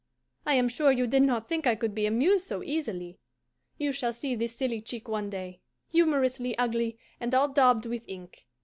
I am sure you did not think I could be amused so easily. You shall see this silly chick one day, humorously ugly and all daubed with ink.